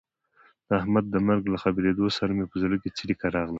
د احمد د مرګ له خبرېدو سره مې په زړه کې څړیکه راغله.